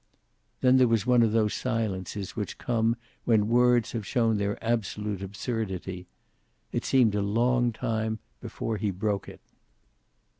Then there was one of those silences which come when words have shown their absolute absurdity. It seemed a long time before he broke it.